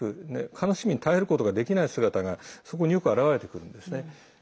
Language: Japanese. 悲しみに耐えることができない姿がそこによく表れてくるんですね。